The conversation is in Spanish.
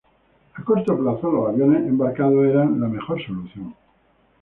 A corto plazo, los aviones embarcados eran la mejor solución.